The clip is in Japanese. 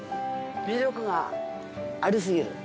魅力があり過ぎる。